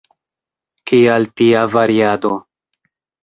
Kial tia variado?